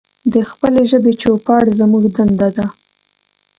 د خپلې ژبې چوپړ زمونږ دنده ده.